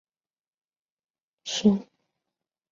鼠掌老鹳草为牻牛儿苗科老鹳草属的植物。